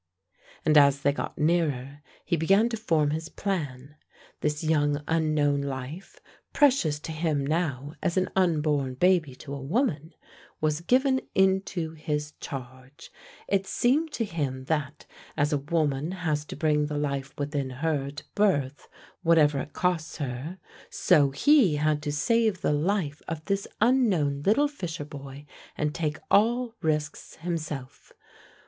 And as they got nearer, he began to form his plan. This young unknown life, precious to him now as an unborn baby to a woman, was given into his charge. It seemed to him that, as a woman has to bring the life within her to birth whatever it costs her, so he had to save the life of this unknown little fisher boy, and take all risks himself.